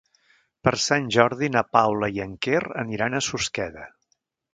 Per Sant Jordi na Paula i en Quer aniran a Susqueda.